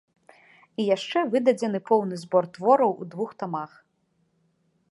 І яшчэ выдадзены поўны збор твораў у двух тамах.